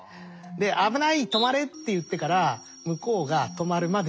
で「危ない止まれ」って言ってから向こうが止まるまで１０秒。